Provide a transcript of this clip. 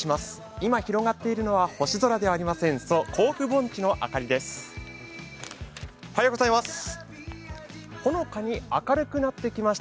今広がっているのは星空ではありません、そう、甲府盆地の明かりです。